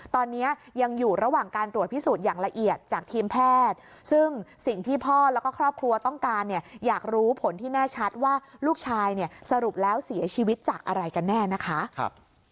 ตอนนี้ยังอยู่ระหว่างการตรวจพิสูจน์อย่างละเอียดจากทีมแพทย์ซึ่งสิ่งที่พ่อแล้วก็ครอบครัวต้องการเนี่ยอยากรู้ผลที่แน่ชัดว่าลูกชายเนี่ยสรุปแล้วเสียชีวิตจากอะไรกันแน่นะคะ